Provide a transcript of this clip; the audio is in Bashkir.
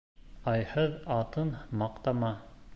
Айһыҙ атың маҡтама